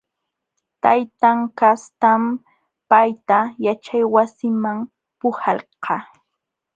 Taytan kastam payta yaćhaywasiman puhalqa.